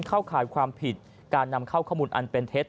ข่ายความผิดการนำเข้าข้อมูลอันเป็นเท็จ